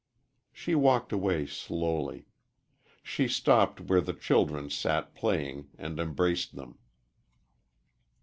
'" She walked away slowly. She stopped where the children sat playing and embraced them.